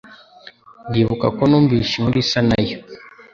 Ndibuka ko numvise inkuru isa nayo.